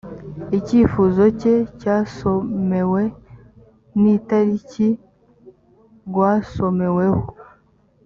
ikifuzoke cyasomewe n itariki rwasomeweho.